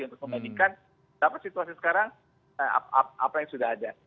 untuk membandingkan dapat situasi sekarang apa yang sudah ada